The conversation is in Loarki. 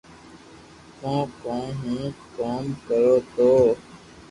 ڪون ڪو ھون ڪوم ڪرو تو